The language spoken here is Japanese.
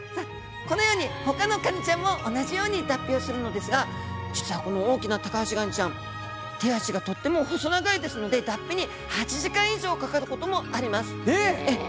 このように他のカニちゃんも同じように脱皮をするのですが実はこの大きなタカアシガニちゃん手足がとっても細長いですので脱皮に８時間以上かかることもあります。え！